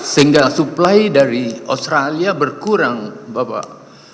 sehingga supply dari australia berkurang bapak